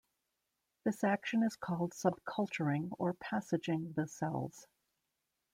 This action is called subculturing or passaging the cells.